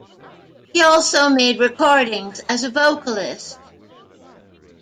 He also made recordings as a vocalist.